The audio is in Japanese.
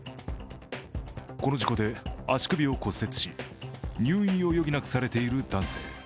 この事故で足首を骨折し入院を余儀なくされている男性。